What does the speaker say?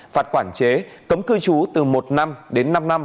phạt quản chế cấm cư trú từ một năm đến năm năm